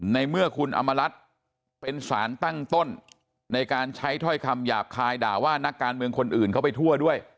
ในเมื่อคุณอมรัฐเป็นสารตั้งต้นในการใช้ถ้อยคำหยาบคายด่าว่านักการเมืองคนอื่นเข้าไปทั่วด้วย